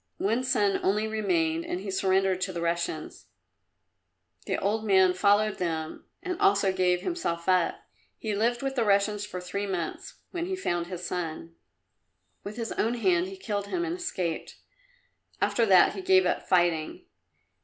One son only remained, and he surrendered to the Russians. The old man followed them, and also gave himself up. He lived with the Russians for three months, when he found his son. With his own hand he killed him and escaped. After that he gave up fighting.